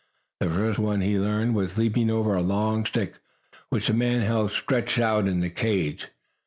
The first one he learned was leaping over a long stick which the man held stretched out in the cage.